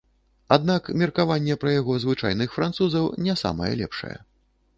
Аднак меркаванне пра яго звычайных французаў не самае лепшае.